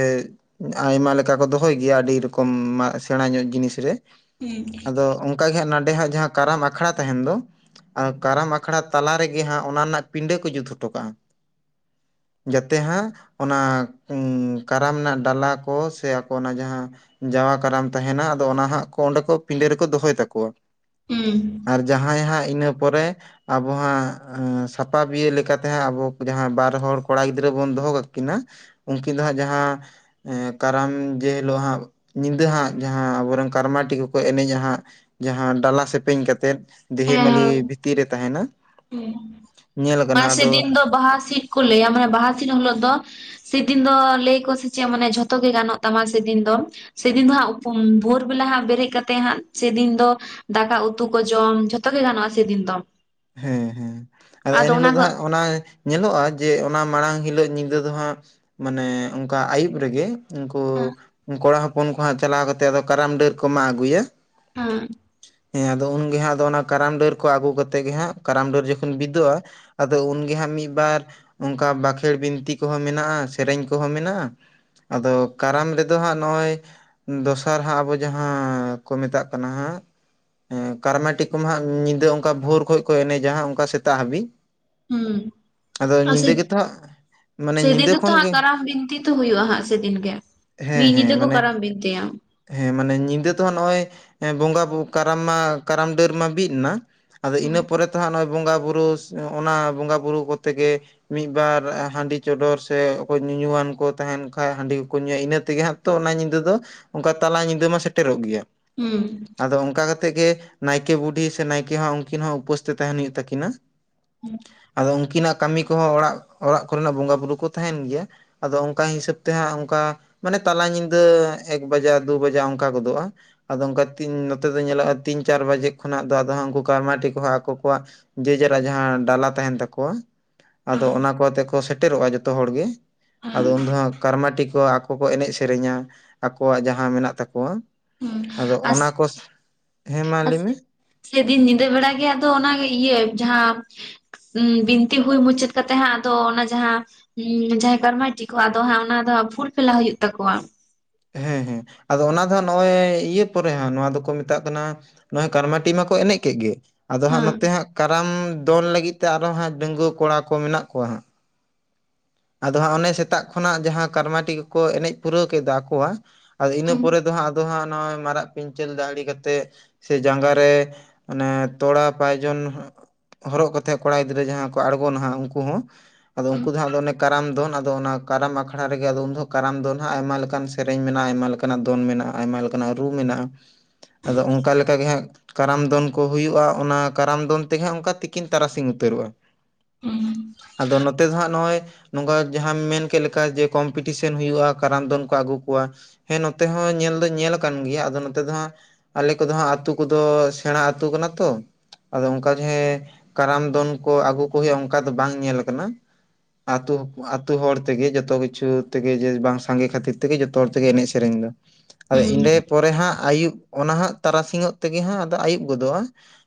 ᱟᱭᱢᱟ ᱞᱮᱠᱟ ᱠᱚ ᱫᱚᱦᱚᱭ ᱜᱮᱭᱟ ᱟᱹᱰᱤ ᱨᱚᱠᱚᱢ ᱥᱮᱬᱟ ᱧᱚᱜ ᱡᱤᱱᱤᱥ ᱨᱮᱜᱮ ᱟᱫᱚ ᱚᱱᱠᱟ ᱜᱮ ᱱᱚᱰᱮ ᱦᱟᱸᱜ ᱡᱟᱦᱟᱸ ᱠᱟᱨᱟᱢ ᱟᱠᱷᱲᱟ ᱛᱟᱦᱮᱱ ᱫᱚ ᱠᱟᱨᱟᱢ ᱟᱠᱷᱟᱲᱟ ᱛᱟᱞᱟ ᱨᱮᱜᱮ ᱦᱟᱸᱜ ᱚᱱᱟ ᱨᱮᱱᱟᱜ ᱠᱚ ᱦᱚᱴᱚ ᱠᱟᱜᱼᱟ᱾ ᱡᱟᱛᱮ ᱦᱟᱸᱜ ᱚᱱᱟ ᱠᱟᱨᱟᱢ ᱨᱮᱱᱟᱜ ᱰᱟᱞᱟ ᱠᱚ ᱥᱮ ᱟᱠᱚ ᱚᱱᱟ ᱡᱟᱦᱟᱸ ᱡᱟᱣᱟ ᱠᱟᱨᱟᱢ ᱛᱟᱦᱮᱱᱟ ᱟᱫᱚ ᱚᱱᱟ ᱦᱟᱸᱜ ᱠᱚ ᱚᱸᱰᱮ ᱠᱚ ᱯᱤᱸᱰᱟᱹ ᱨᱮᱠᱚ ᱫᱚᱦᱚᱭ ᱛᱟᱠᱚᱣᱟ᱾ ᱦᱩᱸ, ᱟᱨ ᱡᱟᱦᱟᱸᱭ ᱤᱱᱟᱹ ᱯᱚᱨᱮ ᱟᱵᱚ ᱦᱟᱸᱜ ᱥᱟᱯᱟ ᱵᱤᱭᱟᱹ ᱞᱮᱠᱟᱛᱮ ᱦᱟᱸᱜ ᱟᱵᱚ ᱡᱟᱦᱟᱸ ᱵᱟᱨ ᱦᱚᱲ ᱠᱚᱲᱟ ᱜᱤᱫᱽᱨᱟᱹ ᱵᱚᱱ ᱫᱚᱦᱚ ᱠᱟᱜ ᱠᱤᱱᱟ ᱩᱱᱠᱤᱱ ᱫᱚ ᱦᱟᱸᱜ ᱡᱟᱦᱟᱸ ᱠᱟᱨᱟᱢ ᱡᱮ ᱦᱤᱞᱳᱜ ᱦᱟᱸᱜ ᱧᱤᱫᱟᱹ ᱦᱟᱸᱜ ᱡᱟᱦᱟᱸ ᱟᱵᱚᱮᱱ ᱠᱟᱨᱢᱟᱴᱤ ᱠᱚᱠᱚ ᱮᱱᱮᱡᱼᱟ, ᱦᱟᱸᱜ ᱡᱟᱦᱟᱸ ᱰᱟᱞᱟ ᱥᱮᱯᱮᱧ ᱠᱟ ᱠᱟᱛᱮᱫ ᱫᱮᱦᱮ ᱢᱟᱹᱞᱤ ᱵᱷᱤᱛᱤᱨ ᱨᱮ ᱛᱟᱦᱮᱱᱟ᱾ ᱧᱮᱞ ᱠᱟᱱᱟ ᱦᱩᱸ ᱟᱫᱚ ᱥᱮᱫᱤᱱ ᱵᱟᱦᱟ ᱥᱤᱫ ᱠᱚ ᱞᱟᱹᱭᱟ ᱢᱟᱱᱮ ᱵᱟᱦᱟ ᱥᱤᱫ ᱦᱤᱞᱳᱜ ᱫᱚ ᱥᱮᱫᱤᱱ ᱫᱚ ᱞᱟᱹᱭ ᱟᱠᱚ ᱥᱮ ᱪᱮᱫ ᱢᱟᱱᱮ ᱡᱷᱚᱛᱚ ᱜᱮ ᱜᱟᱱᱚᱜ ᱛᱟᱢᱟ ᱥᱮᱫᱤᱱ ᱫᱚ᱾ ᱥᱮᱫᱤᱱ ᱫᱚ ᱦᱟᱸᱜ ᱵᱷᱳᱨ ᱵᱮᱞᱟ ᱦᱟᱸᱜ ᱵᱮᱨᱮᱫ ᱦᱟᱸᱜ ᱥᱮᱫᱤᱱ ᱫᱚ ᱫᱟᱠᱟ ᱩᱛᱩ ᱠᱚ ᱡᱚᱢ ᱡᱷᱚᱛᱚ ᱜᱮ ᱜᱟᱱᱚᱜᱼᱟ ᱥᱮᱫᱤᱱ ᱫᱚ᱾ ᱦᱮᱸ ᱦᱮᱸ ᱟᱫᱚ ᱮᱱᱦᱤᱞᱳᱜ ᱫᱚ ᱦᱟᱸᱜ ᱚᱱᱟ ᱧᱮᱞᱚᱜᱼᱟ ᱡᱮ ᱚᱱᱟ ᱢᱟᱲᱟᱝ ᱦᱤᱞᱳᱜ ᱧᱤᱫᱟᱹ ᱫᱚ ᱦᱟᱸᱜ ᱢᱟᱱᱮ ᱚᱱᱠᱟ ᱟᱹᱭᱩᱵ ᱨᱮᱜᱮ ᱩᱱᱠᱩ ᱦᱮᱸ ᱠᱚᱲᱟ ᱦᱚᱯᱚᱱ ᱠᱚ ᱦᱟᱸᱜ ᱪᱟᱞᱟᱣ ᱠᱟᱛᱮᱜ ᱫᱚ ᱠᱟᱨᱟᱢ ᱰᱟᱹᱨ ᱠᱚ ᱢᱟᱜ ᱟᱹᱜᱩᱭᱟ᱾ ᱦᱮᱸ ᱾ ᱦᱮᱸ ᱟᱫᱚ ᱩᱱᱜᱮ ᱦᱟᱸᱜ ᱟᱫᱚ ᱚᱱᱟ ᱠᱟᱨᱟᱢ ᱰᱟᱹᱨ ᱠᱚ ᱟᱹᱜᱩ ᱠᱟᱛᱮ ᱛᱮ ᱜᱮ ᱦᱟᱸᱜ ᱠᱟᱨᱟᱢ ᱰᱟᱹᱨ ᱡᱚᱠᱷᱚᱱ ᱵᱤᱫᱚᱜᱼᱟ ᱟᱫᱚ ᱩᱱᱜᱮ ᱦᱟᱸᱜ ᱢᱤᱫ ᱵᱟᱨ ᱚᱱᱠᱟ ᱵᱟᱸᱠᱷᱮᱲ ᱵᱤᱱᱛᱤ ᱠᱚᱦᱚᱸ ᱢᱮᱱᱟᱜᱼᱟ, ᱥᱮᱨᱮᱧ ᱠᱚᱦᱚᱸ ᱢᱮᱱᱟᱜᱼᱟ᱾ ᱟᱫᱚ ᱠᱟᱨᱟᱢ ᱨᱮᱫᱚ ᱦᱟᱸᱜ ᱱᱚᱜᱼᱚᱭ ᱫᱚᱥᱟᱨ ᱦᱟᱸᱜ ᱟᱵᱚ ᱡᱟᱦᱟᱸ ᱠᱚ ᱢᱮᱛᱟᱜ ᱠᱟᱱᱟ ᱦᱟᱸᱜ ᱦᱮᱸ ᱠᱟᱨᱢᱟᱴᱤᱠ ᱠᱚᱢᱟ ᱦᱟᱸᱜ ᱧᱤᱫᱟᱹ ᱚᱱᱠᱟ ᱵᱷᱳᱨ ᱠᱷᱚᱱ ᱠᱚ ᱮᱱᱮᱡᱟ ᱦᱟᱸᱜ ᱚᱱᱠᱟ ᱥᱮᱛᱟᱜ ᱦᱟᱹᱵᱤᱡ᱾ ᱦᱩᱸ ᱟᱫᱚ ᱥᱮ ᱧᱤᱫᱟ ᱜᱮᱛᱚ ᱦᱟᱸᱜ ᱢᱟᱱᱮ ᱥᱮᱫᱤᱱ ᱧᱤᱫᱟᱹ ᱫᱚᱛᱚ ᱠᱷᱚᱱ ᱜᱮ ᱠᱟᱨᱟᱢ ᱵᱤᱱᱛᱤ ᱛᱚ ᱦᱩᱭᱩᱜᱼᱟ ᱥᱮᱫᱤᱱ ᱜᱮ᱾ ᱦᱮᱸ ᱢᱤᱫ ᱦᱮᱸ ᱧᱤᱫᱟᱹ ᱠᱚ ᱢᱟᱱᱮ ᱠᱟᱨᱟᱢ ᱵᱤᱱᱛᱤᱭᱟ᱾ ᱦᱮᱸ ᱢᱟᱱᱮ ᱧᱤᱫᱟᱹ ᱫᱚ ᱱᱚᱜᱼᱚᱭ ᱵᱚᱸᱜᱟ ᱠᱟᱨᱟᱢ ᱢᱟ ᱠᱟᱨᱟᱢ ᱰᱟᱹᱨ ᱢᱟ ᱵᱤᱫ ᱮᱱᱟ᱾ ᱟᱫᱚ ᱦᱩᱸ ᱤᱱᱟᱹ ᱯᱚᱨᱮ ᱛᱚ ᱦᱟᱸᱜ ᱱᱚᱜᱼᱚᱭ ᱵᱚᱸᱜᱟ ᱵᱩᱨᱩ ᱚᱱᱟ ᱵᱚᱸᱜᱟ ᱵᱩᱨᱩ ᱠᱚᱛᱮᱜᱮ ᱢᱤᱫᱵᱟᱨ ᱦᱟᱺᱰᱤ ᱪᱚᱰᱚᱨ ᱥᱮ ᱚᱠᱚᱭ ᱧᱩᱣᱟᱱ ᱠᱚ ᱛᱟᱦᱮᱱ ᱠᱷᱟᱡ ᱦᱟᱺᱰᱤ ᱠᱚᱠᱚ ᱧᱩᱭᱟ ᱤᱱᱟᱹ ᱛᱮᱜᱮ ᱦᱟᱸᱜ ᱛᱚ ᱚᱱᱟ ᱧᱤᱫᱟᱹ ᱫᱚ ᱚᱱᱠᱟ ᱛᱟᱞᱟ ᱧᱤᱫᱟᱹ ᱢᱟ ᱥᱮᱴᱮᱨᱚᱜ ᱜᱮᱭᱟ᱾ ᱦᱩᱸ ᱟᱫᱚ ᱚᱱᱠᱟ ᱠᱟᱛᱮ ᱜᱮ ᱱᱟᱭᱠᱮ ᱵᱩᱰᱷᱤ ᱥᱮ ᱱᱟᱭᱠᱮ ᱦᱚᱸ ᱩᱱᱠᱤᱱ ᱦᱚᱸ ᱩᱯᱟᱹᱥ ᱛᱮ ᱛᱟᱦᱮᱱ ᱦᱩᱭᱩᱜ ᱛᱟᱠᱤᱱᱟ᱾ ᱟᱫᱚ ᱩᱱᱠᱤᱱᱟᱜ ᱠᱟᱹᱢᱤ ᱠᱚᱦᱚᱸ ᱚᱲᱟᱜ ᱚᱲᱟᱜ ᱠᱚᱨᱮᱱᱟᱜ ᱵᱚᱸᱜᱟᱼ ᱵᱩᱨᱩ ᱠᱚ ᱛᱟᱦᱮᱱ ᱜᱮᱭᱟ ᱟᱫᱚ ᱚᱱᱠᱟ ᱦᱤᱥᱟᱹᱵ ᱛᱮ ᱦᱟᱸᱜ ᱚᱱᱠᱟ ᱢᱟᱱᱮ ᱛᱟᱞᱟ ᱧᱤᱫᱟᱹ ᱮᱠ ᱵᱟᱡᱟᱜ ᱫᱩ ᱵᱟᱡᱟᱜ ᱚᱱᱠᱟ ᱜᱚᱫᱚᱜᱼᱟ᱾ ᱟᱫᱚ ᱚᱱᱠᱟ ᱱᱚᱛᱮ ᱫᱚ ᱧᱮᱞᱚᱜᱼᱟ ᱛᱤᱱ ᱪᱟᱨ ᱵᱟᱡᱮ ᱠᱷᱚᱱᱟᱜ ᱫᱚ ᱟᱫᱚ ᱦᱟᱸ ᱠᱩ ᱠᱟᱨᱢᱟᱴᱤ ᱠᱚ ᱦᱟᱸᱜ ᱟᱠᱚ ᱠᱚᱣᱟᱜ ᱡᱮ ᱡᱟᱨᱟᱜ ᱡᱟᱦᱟᱸ ᱰᱟᱞᱟ ᱛᱟᱦᱮᱱ ᱛᱟᱠᱚᱣᱟ ᱟᱫᱚ ᱚᱱᱟ ᱠᱚᱛᱮ ᱠᱚ ᱥᱮᱴᱮᱨᱚᱜᱼᱟ ᱡᱚᱛᱚ ᱦᱚᱲᱜᱮ ᱟᱫᱚ ᱦᱩᱸ ᱩᱱᱫᱚᱜ ᱦᱟᱸᱜ ᱠᱟᱨᱢᱟᱴᱤ ᱠᱚ ᱟᱠᱚ‌ᱠᱚ ᱮᱱᱮᱡ ᱥᱮᱨᱮᱧᱟ ᱟᱠᱚᱣᱟᱜ ᱡᱟᱦᱟᱸ ᱢᱮᱱᱟᱜ ᱛᱟᱠᱚᱣᱟ᱾ ᱟᱫᱚ ᱟᱥ ᱚᱱᱟᱠᱚ ᱦᱮᱸ ᱢᱟ ᱞᱟᱹᱭ ᱢᱮ ᱾ ᱞᱟ. ᱭᱫᱤᱧ ᱧᱤᱫᱟᱹ ᱵᱮᱲᱟ ᱜᱮ ᱟᱫᱚ ᱚᱱᱟ ᱤᱭᱟᱹ ᱡᱟᱦᱟᱸ, ᱵᱤᱱᱛᱤ ᱦᱩᱭ ᱢᱩᱪᱟᱹᱫ ᱠᱟᱛᱮᱜ ᱦᱟᱸᱜ ᱟᱫᱚ ᱚᱱᱟ ᱡᱟᱦᱟᱸ, ᱡᱟᱦᱟᱸᱭ ᱠᱟᱨᱢᱟᱭᱴᱤ ᱠᱚ ᱟᱫᱚ ᱦᱟᱜ ᱚᱱᱟ ᱫᱚ ᱯᱷᱩᱞ ᱯᱷᱮᱞᱟ ᱦᱩᱭᱩᱜ ᱛᱟᱠᱚᱣᱟ᱾ ᱦᱮᱸ ᱦᱮᱸ᱾ ᱟᱫᱚ ᱚᱱᱟ ᱫᱚ ᱦᱟᱸᱜ ᱱᱚᱜᱼᱚᱭ ᱤᱭᱟᱹ ᱯᱚᱨᱮ ᱦᱟᱸᱜ ᱱᱚᱣᱟ ᱫᱚᱠᱚ ᱢᱮᱛᱟᱜ ᱠᱟᱱᱟ, ᱱᱚᱣᱟ ᱠᱟᱨᱢᱟᱴᱤ ᱢᱟᱠᱚ ᱮᱱᱮᱡ ᱠᱮᱫ ᱜᱮ᱾ ᱟᱫᱚ ᱦᱟᱸᱜ ᱦᱮᱸ ᱱᱚᱛᱮ ᱦᱟᱸᱜ ᱠᱟᱨᱟᱢ ᱫᱚᱱ ᱞᱟᱹᱜᱤᱫ ᱛᱮ ᱟᱨᱚ ᱦᱟᱸᱜ ᱰᱟᱹᱜᱩᱣᱟᱹ ᱠᱚᱲᱟ ᱠᱚ ᱢᱮᱱᱟᱜ ᱠᱚᱣᱟ ᱦᱟᱸᱜ᱾ ᱟᱫᱚ ᱦᱟᱸᱜ ᱚᱱᱮ ᱥᱮᱛᱟᱜ ᱠᱷᱚᱱᱟᱜ ᱡᱟᱦᱟᱸ ᱠᱟᱨᱢᱟᱴᱤ ᱠᱚ ᱠᱚ ᱮᱱᱮᱡ ᱯᱩᱨᱟᱹᱣ ᱠᱮᱫᱟ ᱟᱠᱚᱣᱟᱜ᱾ ᱟᱫᱚ ᱤᱱᱟᱹ ᱦᱩᱸ ᱯᱚᱨᱮ ᱫᱚ ᱦᱟᱸᱜ ᱟᱫᱚ ᱦᱟᱸᱜ ᱱᱚᱜᱼᱚᱭ ᱢᱟᱨᱟᱜ ᱯᱤᱧᱪᱟᱹᱨ ᱫᱟᱦᱲᱤ ᱠᱟᱛᱮᱜ ᱥᱮ ᱡᱟᱺᱜᱟ ᱨᱮ ᱚᱱᱮ ᱛᱚᱲᱟ ᱯᱟᱭᱡᱚᱱ᱾ ᱦᱚᱨᱚᱜ ᱠᱟᱛᱮᱜ ᱠᱚᱲᱟ ᱜᱤᱫᱽᱨᱟᱹ ᱡᱟᱦᱟᱸ ᱠᱚ ᱟᱬᱜᱚᱱᱟ, ᱱᱟᱦᱟᱜ ᱩᱱᱠᱩ ᱦᱚᱸ ᱟᱫᱚ ᱩᱱᱠᱩ ᱫᱚ ᱦᱟᱸᱜ ᱟᱫᱚ ᱚᱱᱮ᱾ ᱠᱟᱨᱟᱢ ᱫᱚᱱ ᱟᱫᱚ ᱚᱱᱟ ᱠᱟᱨᱟᱢ ᱟᱠᱷᱲᱟ ᱨᱮᱜᱮ ᱟᱫᱚ ᱩᱱ ᱫᱚ ᱠᱟᱨᱟᱢ ᱫᱚᱱ ᱦᱟᱸᱜ ᱟᱭᱢᱟ ᱞᱮᱠᱟᱱ ᱥᱮᱨᱮᱧ ᱢᱮᱱᱟᱜᱼᱟ, ᱟᱭᱢᱟ ᱞᱮᱠᱟ ᱞᱮᱠᱟᱱᱟᱜ ᱫᱚᱱ ᱢᱮᱱᱟᱜᱼᱟ, ᱟᱭᱢᱟ ᱞᱮᱠᱟᱱᱟᱜ ᱨᱩ ᱢᱮᱱᱟᱜᱼᱟ, ᱟᱫᱚ ᱚᱱᱠᱟ ᱞᱮᱠᱟ ᱜᱮ ᱦᱟᱸᱜ᱾ ᱠᱟᱨᱟᱢ ᱫᱚᱱ ᱠᱚ ᱦᱩᱭᱩᱜᱼᱟ᱾ ᱚᱱᱟ ᱠᱟᱨᱟᱢ ᱫᱚᱱ ᱛᱮᱜᱮ ᱦᱟᱸᱜ ᱚᱱᱠᱟ ᱛᱤᱠᱤᱱ ᱛᱟᱨᱟᱥᱤᱧ ᱩᱛᱟᱹᱨᱚᱜᱼᱟ᱾ ᱟᱫᱚ ᱱᱚᱛᱮ ᱫᱚ ᱦᱟᱸᱜ ᱱᱚᱜᱼᱚᱭ ᱱᱚᱝᱠᱟ ᱡᱟᱦᱟᱸᱢ ᱢᱮᱱ ᱠᱮᱫ ᱞᱮᱠᱟ ᱡᱮ ᱠᱚᱢᱯᱤᱴᱤᱥᱮᱱ ᱦᱩᱭᱩᱜᱼᱟ ᱠᱟᱨᱟᱢ ᱫᱚᱱ ᱠᱚ ᱟᱹᱜᱩ ᱠᱚᱣᱟ᱾ ᱦᱮᱸ ᱱᱚᱛᱮ ᱦᱚᱸ ᱧᱮᱞ ᱫᱚ ᱧᱮᱞ ᱟᱠᱟᱱ ᱜᱮᱭᱟ, ᱟᱫᱚ ᱱᱚᱛᱮ ᱫᱚ ᱦᱟᱸᱜ᱾ ᱟᱞᱮ ᱠᱚᱫᱚ ᱦᱟᱸᱜ ᱟᱛᱩ ᱠᱚᱫᱚ ᱥᱮᱬᱟ ᱟᱹᱛᱩ ᱠᱟᱱᱟ ᱛᱚ᱾ ᱟᱫᱚ ᱚᱱᱠᱟ ᱜᱮ ᱠᱟᱨᱟᱢ ᱫᱚᱱ ᱠᱚ ᱟᱹᱜᱩ ᱠᱚ ᱦᱩᱭᱩᱜᱼᱟ᱾ ᱚᱱᱠᱟ ᱫᱚ ᱵᱟᱝ ᱧᱮᱞ ᱠᱟᱱᱟ᱾ ᱛᱚ ᱟᱛᱳ ᱦᱚᱲ ᱛᱮᱜᱮ ᱡᱚᱛᱚ ᱠᱤᱪᱷᱩ ᱛᱮᱜᱮ ᱡᱮ ᱵᱟᱝ ᱥᱟᱸᱜᱮ ᱠᱷᱟᱹᱛᱤᱨ ᱛᱮᱜᱮ ᱡᱚᱛᱚ ᱦᱚᱲ ᱛᱮᱜᱮ ᱮᱱᱮᱡ ᱥᱮᱨᱮᱧ ᱫᱚ᱾ ᱟᱫᱚ ᱤᱸᱰᱟᱹ ᱯᱚᱨᱮ ᱦᱟᱸᱜ ᱟᱹᱭᱩᱵ ᱚᱱᱟ ᱦᱟᱸᱜ ᱛᱟᱨᱟᱥᱤᱧᱚᱜ ᱛᱮᱜᱮ ᱦᱟᱸᱜ ᱟᱫᱚ ᱟᱹᱭᱩᱵ ᱜᱚᱫᱚᱜᱼᱟ᱾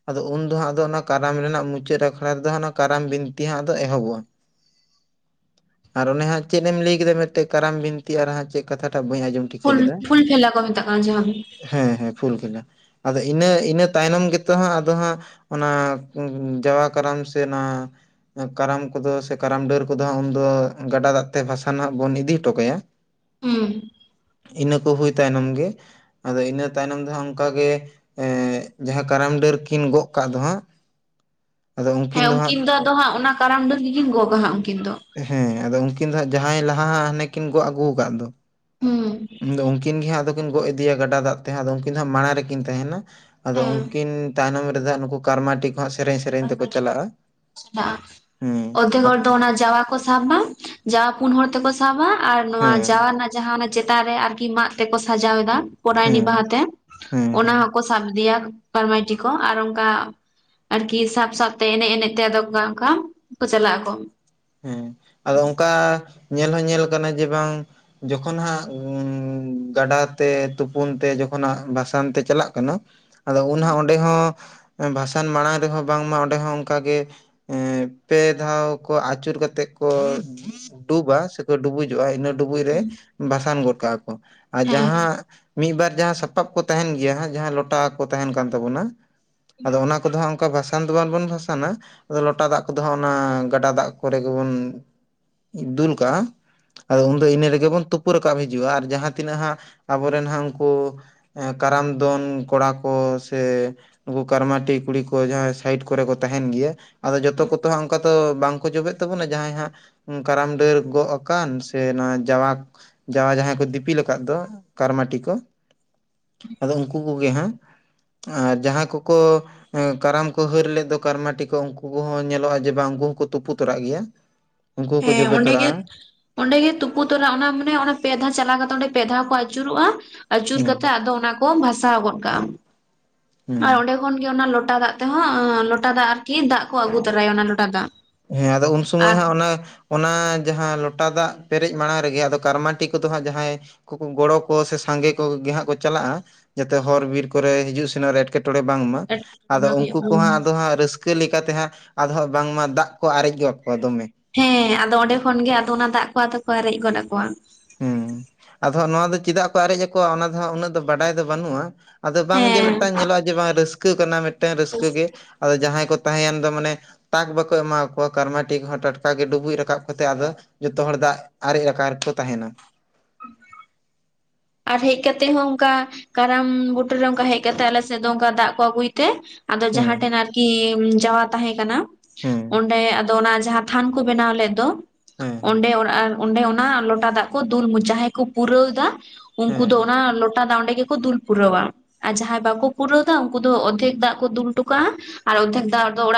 ᱟᱫᱚ ᱩᱱ ᱫᱚ ᱦᱟᱸᱜ ᱟᱫᱚ ᱚᱱᱟ ᱠᱟᱨᱟᱢ ᱨᱮᱱᱟᱜ ᱢᱩᱪᱟᱹᱫ ᱟᱠᱷᱲᱟ ᱨᱮ ᱫᱚ ᱚᱱᱟ ᱠᱟᱨᱟᱢ ᱵᱤᱱᱛᱤ ᱦᱟᱸᱜ ᱫᱚ ᱮᱦᱚᱵᱚᱜᱼᱟ᱾ ᱟᱨ ᱚᱱᱮ ᱦᱟᱸᱜ ᱪᱮᱫ ᱮᱢ ᱞᱟᱹᱭ ᱠᱮᱫᱟ ᱢᱤᱫᱴᱮᱡ ᱠᱟᱨᱟᱢ ᱵᱤᱱᱛᱤ ᱟᱨ ᱦᱟᱸᱜ ᱪᱮᱫ ᱠᱟᱛᱷᱟᱴᱟᱜ ᱵᱟᱹᱧ ᱟᱸᱡᱚᱢ ᱠᱮᱫᱟ᱾ ᱯᱷᱩᱞ ᱯᱷᱩᱞ ᱯᱷᱮᱞᱟ ᱠᱚ ᱢᱮᱛᱟᱜ ᱠᱟᱱᱟ ᱡᱟᱦᱟ᱾ ᱦᱮᱸ ᱦᱮᱸ ᱯᱷᱩᱞ ᱯᱷᱮᱞᱟ ᱟᱫᱚ ᱤᱱᱟᱹ ᱤᱱᱟᱹ ᱛᱟᱭᱱᱚᱢ ᱜᱮᱛᱚ ᱦᱟᱸᱜ ᱟᱫᱚ ᱦᱟᱸᱜ ᱚᱱᱟ ᱡᱟᱣᱟ ᱠᱟᱨᱟᱢ ᱥᱮ ᱚᱱᱟ ᱠᱟᱨᱟᱢ ᱠᱚᱫᱚ ᱥᱮ ᱠᱟᱨᱟᱢ ᱰᱟᱹᱨ᱾ ᱩᱱᱠᱩ ᱫᱚ ᱦᱟᱸᱜ ᱩᱱᱫᱚ ᱜᱟᱰᱟ ᱫᱟᱜ ᱛᱮ ᱵᱷᱟᱥᱟᱱ ᱦᱟᱸᱜ ᱵᱚᱱ ᱤᱫᱤ ᱦᱚᱴᱚ ᱠᱟᱭᱟ᱾ ᱦᱩᱸ ᱤᱱᱟᱹ ᱠᱚ ᱦᱩᱭ ᱛᱟᱭᱱᱚᱢ ᱜᱮ᱾ ᱟᱫᱚ ᱤᱱᱟᱹ ᱛᱟᱭᱱᱚᱢ ᱫᱚ ᱦᱟᱜ ᱚᱱᱠᱟᱜᱮ ᱮᱜ ᱡᱟᱦᱟᱸ ᱠᱟᱨᱟᱢ ᱰᱟᱹᱨ ᱠᱤᱱ ᱜᱚᱜ ᱠᱟᱜ ᱫᱚ ᱦᱟᱸᱜ᱾ ᱦᱮᱸ ᱩᱱᱠᱤᱱ ᱫᱚ ᱟᱫᱚ ᱦᱟᱸᱜ ᱚᱱᱟ ᱠᱟᱨᱟᱢ ᱰᱟᱹᱨ ᱜᱮᱠᱤᱱ ᱜᱚᱜᱟ ᱦᱟᱸᱜ ᱩᱱᱠᱤᱱ ᱫᱚ᱾ ᱦᱮᱸ ᱟᱫᱚ ᱩᱱᱠᱤᱱ ᱫᱚ ᱦᱟᱸᱜ ᱡᱟᱦᱟᱸᱭ ᱞᱟᱦᱟ ᱦᱟᱜ ᱦᱟᱱᱮ ᱠᱤᱱ ᱜᱚᱜ ᱟᱹᱜᱩ ᱟᱠᱟᱫ ᱫᱚ᱾ ᱦᱩᱸ᱾ ᱩᱱᱠᱤᱱ ᱜᱮ ᱦᱟᱸᱜ ᱟᱫᱚ ᱠᱤᱱ ᱜᱚᱜ ᱤᱫᱤᱭᱟ ᱜᱟᱰᱟ ᱫᱟᱜ ᱛᱮ᱾ ᱦᱮᱸ ᱟᱫᱚ ᱩᱱᱠᱤᱱ ᱫᱚ ᱦᱟᱸᱜ ᱢᱟᱲᱟᱝ ᱨᱮᱠᱤᱱ ᱛᱟᱦᱮᱱᱟ᱾ ᱟᱫᱚ ᱦᱮᱸ ᱩᱱᱠᱤᱱ ᱛᱟᱭᱱᱚᱢ ᱨᱮᱫᱚ ᱱᱩᱠᱩ ᱠᱟᱨᱢᱟᱴᱤ ᱠᱚᱦᱚᱸ ᱥᱮᱨᱮᱧ ᱥᱮᱨᱮᱧ ᱛᱮᱠᱚ ᱪᱟᱞᱟᱜᱼᱟ (unintelligible) ᱦᱮᱸ ᱚᱨᱫᱷᱮᱠ ᱦᱚᱲ ᱫᱚ ᱟᱠ- ᱚᱱᱟ ᱡᱟᱣᱟ᱾ ᱠᱚ ᱥᱟᱵᱟ ᱡᱟᱣᱟ ᱯᱩᱱ ᱦᱚᱲ ᱛᱮᱠᱚ ᱥᱟᱵᱟ, ᱟᱨ ᱱᱚᱣᱟ ᱦᱮᱸ ᱡᱟᱣᱟ ᱨᱮᱱᱟᱜ ᱡᱟᱦᱟᱸ ᱪᱮᱛᱟᱱ ᱨᱮ ᱟᱨᱠᱤ ᱢᱟᱜ ᱛᱮᱠᱚ ᱥᱟᱡᱟᱣ ᱮᱫᱟ, ᱯᱚᱨᱟᱭᱱᱤ ᱦᱮᱸ ᱵᱟᱦᱟ ᱛᱮ᱾ ᱦᱮᱸ ᱚᱱᱟ ᱦᱮᱸ ᱦᱚᱸᱠᱚ ᱥᱟᱵ ᱤᱫᱤᱭᱟ ᱠᱟᱨᱢᱟᱭᱴᱤ ᱠᱚ ᱟᱨ ᱚᱱᱠᱟ᱾ ᱟᱨᱠᱤ ᱥᱟᱵ ᱥᱟᱵᱛᱮ ᱮᱱᱮᱡ ᱮᱱᱮᱡ ᱛᱮ ᱟᱫᱚ ᱚᱱᱠᱟ ᱚᱱᱠᱟ ᱠᱚ ᱪᱟᱞᱟᱜ ᱟᱠᱚ᱾ ᱦᱮᱸ ᱟᱫᱚ ᱚᱱᱠᱟ ᱧᱮᱞ ᱦᱚᱸ ᱧᱮᱞ ᱠᱟᱱᱟ ᱡᱮ ᱵᱟᱝ᱾ ᱡᱚᱠᱷᱚᱱ ᱦᱟᱸᱜ ᱩᱸ ᱜᱟᱰᱟᱛᱮ ᱛᱩᱯᱩᱱ ᱛᱮ ᱡᱚᱠᱷᱚᱱ ᱦᱟᱜ ᱵᱷᱟᱥᱟᱱ ᱛᱮ ᱪᱟᱞᱟᱜ ᱠᱟᱱᱟ ᱟᱫᱚ ᱩᱱ ᱦᱟᱜ ᱚᱸᱰᱮ ᱦᱚ, ᱵᱷᱟᱥᱟᱱ ᱢᱟᱲᱟᱝ ᱨᱮᱦᱚᱸ ᱵᱟᱝᱢᱟ ᱚᱸᱰᱮ ᱦᱚᱸ ᱚᱱᱠᱟ ᱜᱮ ᱮ ᱯᱮ ᱫᱷᱟᱣ ᱠᱚ ᱟᱪ ᱪᱩᱨ ᱠᱟᱛᱮᱫ ᱠᱚ ᱰᱩᱵᱟ ᱥᱮᱠᱚ ᱰᱩᱵᱩᱡᱚᱜ-ᱟ᱾ ᱤᱱᱟᱹ ᱰᱩᱵᱩᱡ ᱨᱮ ᱵᱟᱥᱟᱱ ᱜᱚᱫ ᱠᱟᱜ-ᱟ᱾ ᱚ ᱟ ᱦᱮᱸ ᱡᱟᱦᱟᱸ ᱢᱤᱫ ᱵᱟᱨ ᱡᱟᱦᱟᱸ ᱥᱟᱯᱟᱵ ᱠᱚ ᱛᱟᱦᱮᱱ ᱜᱮᱭᱟ ᱦᱟᱜ ᱡᱟᱦᱟᱸ ᱞᱚᱴᱟ ᱠᱚ ᱛᱟᱦᱮᱱ ᱠᱟᱱ ᱛᱟᱵᱚᱱᱟ ᱟᱫᱚ ᱚᱱᱟ ᱠᱚᱫᱚ ᱦᱟᱸᱜ ᱩᱝ ᱠᱟ ᱵᱷᱟᱥᱟᱱ ᱫᱚ ᱵᱟᱝᱵᱚᱱ ᱵᱷᱟᱥᱟᱱᱟ ᱟᱫᱚ ᱞᱚᱴᱟ ᱫᱟᱜ ᱠᱚᱫᱚ ᱚᱱᱟ ᱜᱟᱰᱟ ᱫᱟᱜ ᱠᱚᱨᱮ ᱜᱮᱵᱚᱱ ᱫᱩᱞ ᱠᱟᱜ-ᱟ ᱟᱫᱚ ᱤᱱᱟ ᱨᱮᱜᱮ ᱵᱚᱱ ᱛᱩᱯᱩ ᱨᱟᱠᱟᱵ ᱦᱤᱡᱩᱜᱼᱟ ᱟᱨ ᱡᱟᱦᱟᱸ ᱛᱤᱱᱟᱹᱜ ᱦᱟᱸᱜ ᱟᱵᱚᱨᱮᱱ ᱦᱟᱸᱜ ᱩᱱᱠᱩ ᱮ ᱠᱟᱨᱟᱢ ᱫᱚᱱ ᱠᱚᱲᱟ ᱠᱚ ᱥᱮ ᱩᱱᱠᱩ ᱠᱟᱨᱢᱟᱴᱤ ᱠᱩᱲᱤ ᱠᱚ ᱡᱟᱦᱟᱸᱭ ᱥᱟᱭᱤᱴ ᱠᱚᱨᱮ ᱠᱚ ᱛᱟᱦᱮᱱ ᱜᱮᱭᱟ᱾ ᱟᱫᱚ ᱡᱚᱛᱚ ᱠᱚᱛᱚ ᱚᱱᱠᱟ ᱛᱚ ᱵᱟᱝᱠᱚ ᱡᱚᱵᱮᱜ ᱛᱚᱵᱮᱱᱟ ᱡᱟᱦᱟᱸᱭ ᱦᱟᱸᱜ ᱠᱟᱨᱟᱢ ᱰᱟᱹᱨ ᱜᱚᱜ ᱟᱠᱟᱱ ᱥᱮ ᱱᱚᱣᱟ ᱡᱟᱣᱟ᱾ ᱡᱟᱣᱟ ᱡᱟᱦᱟᱸᱭ ᱠᱚ ᱫᱤᱯᱤᱞ ᱟᱠᱟᱫ ᱫᱚ ᱠᱟᱨᱢᱟᱴᱤ ᱠᱚ ᱟᱫᱚ ᱩᱱᱠᱩ ᱠᱚᱜᱮ ᱦᱟᱜ ᱟ ᱡᱟᱦᱟᱸᱭ ᱠᱚᱠᱚ ᱟ ᱠᱟᱨᱟᱢ ᱠᱚ ᱦᱟᱹᱨ ᱞᱮᱫ ᱫᱚ ᱠᱟᱨᱢᱟᱴᱤ ᱠᱚ ᱩᱱᱠᱩ ᱠᱚᱦᱚᱸ ᱧᱮᱞᱚᱜᱼᱟ ᱡᱮ ᱵᱟᱝ ᱩᱱᱠᱩ ᱦᱚᱸᱠᱚ ᱛᱩᱯᱩᱜ ᱛᱚᱨᱟᱜ ᱜᱮᱭᱟ᱾ ᱩᱱᱠᱩ ᱦᱚᱸᱠᱚ ᱦᱮᱸ ᱡᱚᱵᱮ ᱚᱸᱰᱮᱜᱮᱛ ᱛᱚᱨᱟᱜᱼᱟ ᱚᱸᱰᱮᱜ ᱛᱩᱯᱩ ᱛᱚᱨᱟ ᱚᱱᱟ ᱢᱟᱱᱮ ᱚᱱᱟ ᱯᱮ ᱫᱷᱟᱣ ᱪᱟᱞᱟᱣ ᱠᱟᱛᱮᱜ ᱯᱮ ᱫᱷᱟᱣ ᱠᱚ ᱟᱪᱩᱨᱚᱜ-ᱟ᱾ ᱟᱹᱪᱩᱨ ᱦᱮᱸ ᱠᱟᱛᱮᱜ ᱟᱫᱚ ᱚᱱᱟ ᱠᱚ ᱵᱷᱟᱥᱟᱣ ᱜᱚᱫ ᱠᱟᱜ-ᱟ ᱦᱮᱸ ᱟᱨ ᱚᱸᱰᱮ ᱠᱷᱚᱱ ᱜᱮ ᱚᱱᱟ ᱞᱚᱴᱟ ᱫᱟᱜ ᱛᱮᱦᱚᱸ ᱞᱚᱴᱟ ᱫᱟᱜ ᱟᱨᱠᱤ ᱫᱟᱜ ᱠᱚ ᱟᱹᱜᱩ ᱛᱚᱨᱟᱭᱟ ᱚᱱᱟ ᱞᱚᱴᱟ ᱫᱟᱜ᱾ ᱦᱮᱸ ᱟᱫᱚ ᱩᱱ ᱥᱚᱢᱚᱭ ᱟᱨ ᱦᱚ ᱚᱱᱮ? ᱚᱱᱟ ᱡᱟᱦᱟᱸ ᱞᱚᱴᱟ ᱫᱟᱜ ᱯᱮᱨᱮᱡ ᱢᱟᱲᱟᱝ ᱨᱮᱜᱮ ᱟᱫᱚ ᱠᱟᱨᱢᱟᱴᱤ ᱠᱚᱫᱚ ᱦᱟᱸᱜ ᱡᱟᱦᱟᱸᱭ ᱠᱚᱠᱚ ᱜᱚᱲᱚ ᱠᱚ ᱥᱮ ᱥᱟᱸᱜᱮ ᱠᱚᱜᱮ ᱦᱟᱸᱜ ᱠᱚ ᱪᱟᱞᱟᱜ-ᱟ᱾ ᱡᱟᱛᱮ ᱦᱚᱨ ᱵᱤᱨ ᱠᱚᱨᱮ ᱦᱤᱡᱩᱜ ᱥᱮᱱᱚᱜ ᱨᱮ ᱮᱴᱠᱮᱴᱚᱬᱮ ᱵᱟᱝᱢᱟ ᱮᱴᱠᱮᱴᱚᱬᱮ ᱟᱫᱚ ᱵᱟᱝ ᱦᱩᱭᱩᱜ ᱩᱱᱠᱩ ᱢᱟ᱾ ᱠᱚᱦᱟᱸᱜ ᱟᱫᱚ ᱦᱟᱸᱜ ᱨᱟᱹᱥ ᱠᱟ ᱞᱮᱠᱟ ᱛᱮᱦᱟᱸᱜ ᱟᱫᱚᱦᱟᱜ ᱵᱟᱝᱢᱟ ᱫᱟᱜ ᱠᱚ ᱟᱨᱮᱡ ᱜᱚᱜ ᱠᱚᱣᱟ ᱫᱚᱢᱮ᱾ ᱦᱮᱸ ᱟᱫᱚ ᱚᱱᱰᱮ ᱠᱷᱚᱱ ᱜᱮ ᱟᱫᱚ ᱚᱱᱟ ᱫᱟᱜ ᱠᱚ ᱟᱨᱮᱡ ᱜᱚᱫ ᱟᱠᱚᱣᱟ᱾ ᱦᱩᱸ ᱟᱫᱚᱦᱟᱜ ᱱᱚᱣᱟ ᱫᱚ ᱪᱮᱫᱟᱜ ᱠᱚ ᱟᱨᱮᱡ ᱟᱠᱚᱣᱟ ᱚᱱᱟ ᱫᱚ ᱦᱟᱸᱜ ᱩᱱᱟᱹᱜ ᱫᱚ ᱵᱟᱰᱟᱭ ᱫᱚ ᱵᱟᱹᱱᱩᱜᱼᱟ᱾ ᱟᱫᱚ ᱵᱟᱝ ᱡᱮ ᱦᱮᱸ ᱢᱤᱫᱴᱟᱝ ᱧᱮᱞᱚᱜ-ᱟ ᱡᱮ ᱵᱟᱝ ᱨᱟᱹᱥᱠᱟᱹ ᱠᱟᱱᱟ ᱢᱤᱫᱴᱮᱱ ᱨᱟᱹᱥᱠᱟᱹ ᱜᱮ ᱟᱫᱚ ᱡᱟᱦᱟᱸᱭ ᱠᱚ ᱛᱟᱦᱮᱸᱭᱮᱱ ᱫᱚ ᱢᱟᱱᱮ᱾ ᱛᱟᱠ ᱵᱟᱠᱚ ᱮᱢᱟ ᱠᱚᱣᱟ ᱠᱟᱨᱢᱟᱴᱤ ᱠᱚᱦᱚ ᱴᱟᱴᱠᱟ ᱜᱮ ᱰᱩᱵᱩᱡ ᱨᱟᱠᱟᱵ ᱠᱟᱛᱮᱫ ᱟᱫᱚ᱾ ᱡᱚᱛᱚ ᱦᱚᱲ ᱫᱟᱜ ᱟᱨᱮᱡᱠᱟ ᱨᱮᱠᱚ ᱛᱟᱦᱮᱱᱟ᱾ ᱟᱨ ᱦᱮᱡ ᱠᱟᱛᱮᱜ ᱦᱚᱸ ᱚᱱᱠᱟ ᱠᱟᱨᱟᱢ ᱵᱩᱴᱟᱹᱨᱮ ᱚᱱᱠᱟ ᱦᱮᱡ ᱠᱟᱛᱮ ᱟᱞᱮ ᱥᱮᱫ ᱫᱚ ᱚᱱᱠᱟ ᱫᱟᱜ ᱠᱚ ᱟᱹᱜᱩᱭ ᱛᱮ ᱟᱫᱚ ᱦᱮᱸ ᱡᱟᱦᱟᱸ ᱴᱷᱮᱱ ᱟᱨᱠᱤ ᱡᱟᱣᱟ ᱛᱟᱦᱮᱸ ᱠᱟᱱᱟ ᱦᱮᱸ ᱚᱸᱰᱮ ᱟᱫᱚ ᱚᱱᱟ ᱡᱟᱦᱟᱸ ᱛᱷᱟᱱ ᱠᱚ ᱵᱮᱱᱟᱣ ᱞᱮᱫ ᱫᱚ ᱦᱮᱸ ᱦᱮᱸ ᱚᱸᱰᱮ ᱚᱱ ᱟᱨ ᱚᱸᱰᱮ ᱚᱱᱟ ᱞᱚᱴᱟ ᱫᱟᱜ ᱠᱚ ᱫᱩᱞ ᱢᱚᱪᱟᱭ ᱡᱟᱦᱟᱸᱭ ᱠᱚ ᱯᱩᱨᱟᱹᱣ ᱫᱟ ᱩᱱᱠᱩ ᱦᱮᱸ ᱫᱚ ᱚᱱᱟ ᱞᱚᱴ ᱴᱟ ᱫᱟ ᱚᱸᱰᱮ ᱜᱮᱠᱚ ᱫᱩᱞ ᱯᱩᱨᱟᱣᱟ᱾ ᱟᱨ ᱡᱟᱦᱟᱸᱭ ᱵᱟᱠᱚ ᱯᱩᱨᱟᱹᱣ ᱫᱟ ᱩᱱᱠᱩ ᱫᱚ ᱚᱫᱷᱮᱠ ᱫᱟᱜ ᱠᱚ ᱫᱩᱞ ᱴᱚᱠᱟᱜᱟ ᱟᱨ ᱚᱫᱷᱮᱠ ᱫᱟᱜ ᱨᱮ ᱫᱚ ᱚᱲᱟᱜ